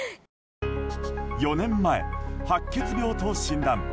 ４年前、白血病と診断。